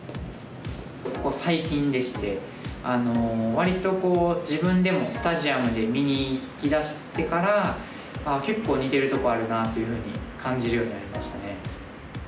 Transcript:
割と自分でもスタジアムで見に行きだしてから結構似てるところあるなというふうに感じるようになりましたね。